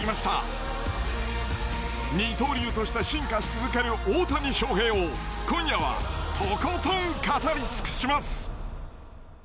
二刀流として進化し続ける大谷翔平を今夜はとことん語り尽くします。